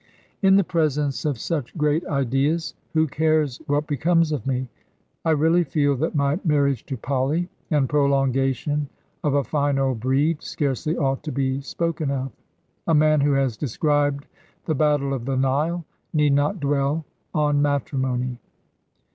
In the presence of such great ideas, who cares what becomes of me? I really feel that my marriage to Polly, and prolongation of a fine old breed, scarcely ought to be spoken of. A man who has described the battle of the Nile need not dwell on matrimony.